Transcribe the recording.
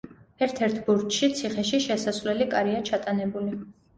ერთ-ერთ ბურჯში ციხეში შესასვლელი კარია ჩატანებული.